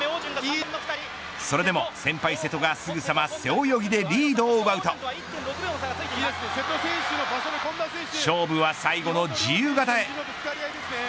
それでも、先輩瀬戸がすぐさま背泳ぎでリードを奪うと勝負は最後の自由形へ。